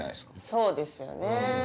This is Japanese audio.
そうですよねぇ。